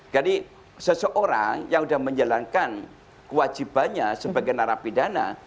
jadi seseorang yang sudah menjalankan kewajibannya sebagai narapidana